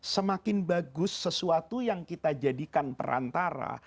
semakin bagus sesuatu yang kita jadikan perantara